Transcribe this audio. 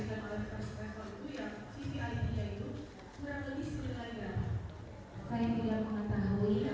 terdakwa dua menyampaikan bahwa